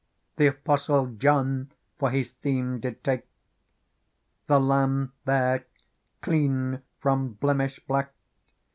The Apostle John for his theme did take. The Lamb there, clean from blemish black.